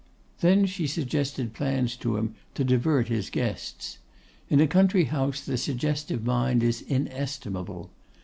Then she suggested plans to him to divert his guests. In a country house the suggestive mind is inestimable.